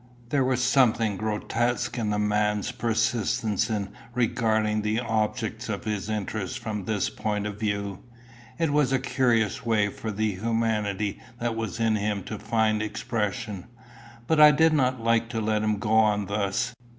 There was something grotesque in the man's persistence in regarding the objects of his interest from this point of view. It was a curious way for the humanity that was in him to find expression; but I did not like to let him go on thus.